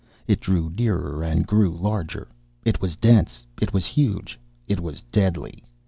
It drew nearer and grew larger. It was dense. It was huge. It was deadly.